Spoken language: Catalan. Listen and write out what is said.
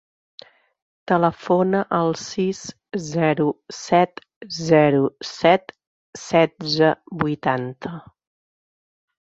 Telefona al sis, zero, set, zero, set, setze, vuitanta.